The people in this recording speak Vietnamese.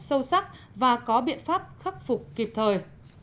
sâu sắc và có biện pháp khắc phục kịp thời